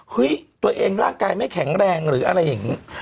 เฮ้ยตัวเองร่างกายไม่แข็งแรงหรืออะไรอย่างนี้